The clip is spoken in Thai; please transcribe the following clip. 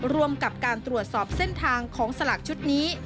ร่วมกับการตรวจสอบเส้นทางของสลากชุดนี้